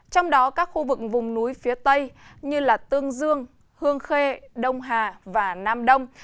trong đó các khu vực vùng núi phía tây như tương dương hương khê đông hà và nam đông